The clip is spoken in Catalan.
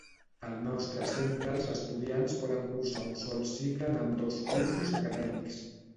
Al nostre centre els estudiants poden cursar un sol cicle en ambdós cursos acadèmics.